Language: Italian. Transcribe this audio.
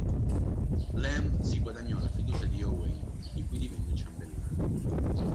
Lamb si guadagnò la fiducia di Owain, di cui divenne ciambellano.